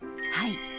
はい。